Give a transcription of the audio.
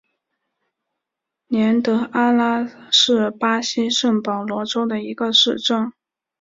年德阿拉是巴西圣保罗州的一个市镇。